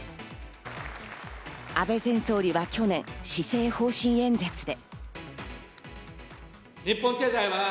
安倍前総理は去年、施政方針演説で。